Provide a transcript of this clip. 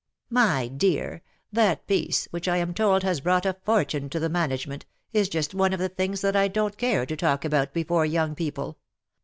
'^ My dear, that piece, which I am told has brought a fortune to the management, is just one of the things that I don't care to talk about before young people.